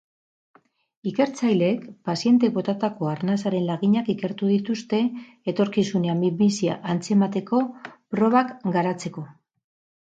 Ikertzaileek pazienteek botatako arnasaren laginak ikertu dituzte etorkizunean minbizia antzemateko probak garatzeko.